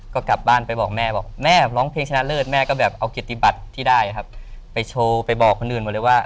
ก็กลับบ้านไปบอกแม่บอกแม่ร้องเพลงชนะเลิศแม่ก็แบบเอาเกียรติบัติที่ได้ครับไปโชว์ไปบอกคนอื่นหมดเลยว่า